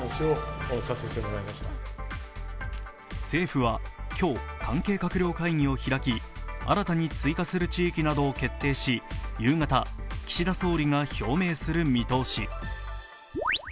政府は今日関係閣僚会議を開き新たに追加する地域などを決定し夕方、岸田総理が表明する見通し。